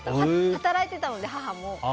働いていたので、母も。